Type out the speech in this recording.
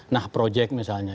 nah project misalnya